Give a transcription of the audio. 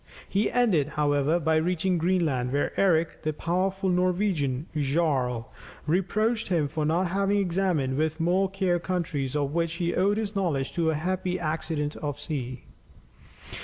He ended, however, by reaching Greenland, where Eric, the powerful Norwegian jarl, reproached him for not having examined with more care countries of which he owed his knowledge to a happy accident of the sea.